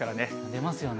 出ますよね。